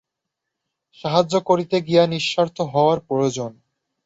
সাহায্য করিতে গিয়া নিঃস্বার্থ হওয়ার প্রয়োজন।